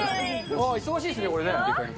忙しいですね、これね。